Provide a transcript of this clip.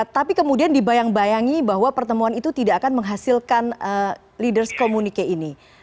tapi kemudian dibayang bayangi bahwa pertemuan itu tidak akan menghasilkan leaders communique ini